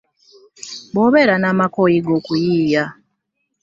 Bwobeera n'amaka oyiga okuyiiya .